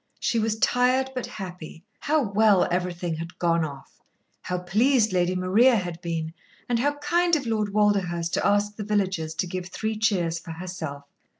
She was tired, but happy. How well everything had "gone off"! How pleased Lady Maria had been, and how kind of Lord Walderhurst to ask the villagers to give three cheers for herself!